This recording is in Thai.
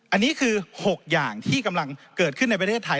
อันนี้คือ๖อย่างที่กำลังเกิดขึ้นในประเทศไทย